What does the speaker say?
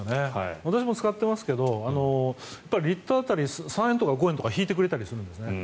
私も使ってますけど￥リットル当たり３円とか５円引いてくれたりするんですね。